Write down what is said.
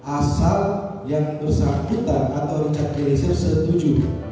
asal yang bersangkutan atau richard eliezer setuju